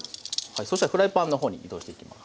そしたらフライパンの方に移動していきます。